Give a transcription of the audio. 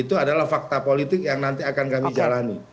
itu adalah fakta politik yang nanti akan kami jalani